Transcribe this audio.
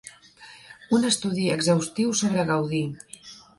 Un estudi exhaustiu sobre Gaudí.